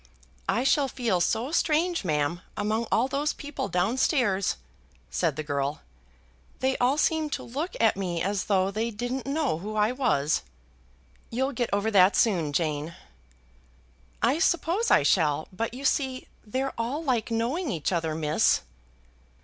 "I shall feel so strange, ma'am, among all those people down stairs," said the girl. "They all seem to look at me as though they didn't know who I was." "You'll get over that soon, Jane." "I suppose I shall; but you see, they're all like knowing each other, miss."